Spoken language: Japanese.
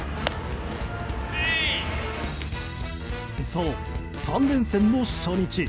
そう、３連戦の初日